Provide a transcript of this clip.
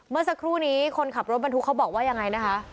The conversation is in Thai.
เมื่อสักครู่นี้คนขับรถบรรทุกเขาบอกว่ายังไงนะคะ